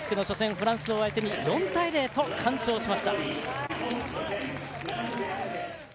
フランス相手に４対０と完勝しました。